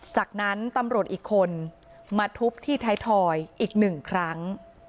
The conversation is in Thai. จากนั้นตำรวจอีกคนมาทุบที่ท้ายทอยอีกหนึ่งครั้ง